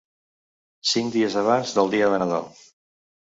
Cinc dies abans del dia de Nadal.